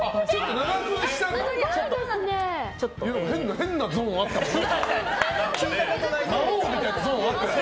変なゾーンあったもんな。